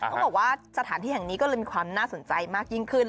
เขาบอกว่าสถานที่แห่งนี้ก็เลยมีความน่าสนใจมากยิ่งขึ้น